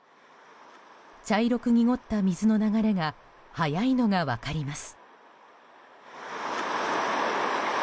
茶色く濁った水の流れが速いのが分かります。